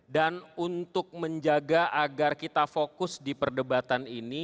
dan untuk menjaga agar kita fokus di perdebatan ini